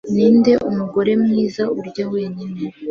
ninde mugore mwiza urya wenyine